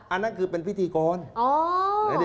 อันนี้คือร่วมพูดด้วยเหรอฮะ